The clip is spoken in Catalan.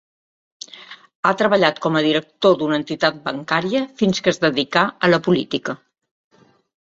Ha treballat com a director d'una entitat bancària fins que es dedicà a la política.